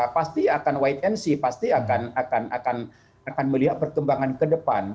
pasti akan wait and see pasti akan melihat perkembangan ke depan